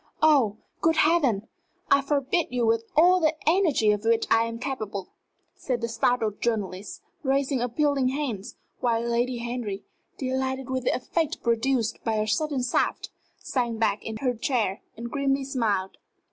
"Oh, good Heavens! I forbid you with all the energy of which I am capable," said the startled journalist, raising appealing hands, while Lady Henry, delighted with the effect produced by her sudden shaft, sank back in her chair and grimly smiled.